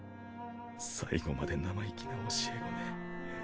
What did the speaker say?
最後まで生意気な教え子ね。